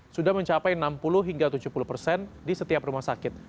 sudah mencapai enam puluh hingga tujuh puluh persen di setiap rumah sakit